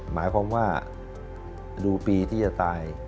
หมายความว่าดูปีที่จะตาย